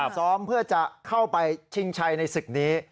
ซ้อมเพื่อจะเข้าไปชิงชัยในศึกนี้